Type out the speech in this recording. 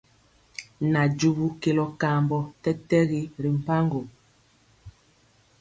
Najubu kelɔ kambɔ tɛtɛgi ri mpaŋgo.